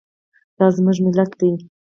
دا زموږ ملت ده